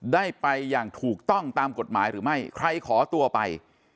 ได้ไปอย่างถูกต้องตามกฎหมายหรือไม่ใครขอตัวไป